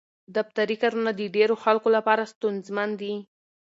دفتري کارونه د ډېرو خلکو لپاره ستونزمن دي.